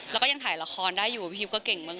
แล้วก็ยังถ่ายละครได้อยู่พี่ฮิปก็เก่งมาก